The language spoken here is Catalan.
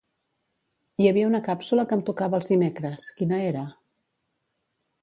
Hi havia una càpsula que em tocava els dimecres, quina era?